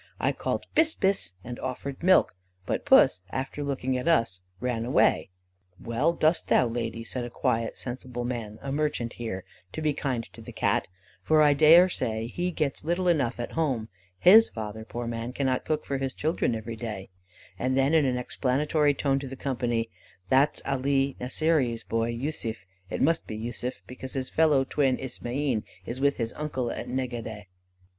I called 'bis! bis!' and offered milk; but puss, after looking at us, ran away. "'Well, dost thou, Lady,' said a quiet sensible man, a merchant here, 'to be kind to the Cat, for I daresay he gets little enough at home; his father, poor man, cannot cook for his children every day;' and then in an explanatory tone to the company: 'That's Alee Nasseeree's boy, Yussuf; it must be Yussuf, because his fellow twin, Ismaeen, is with his uncle at Negadeh.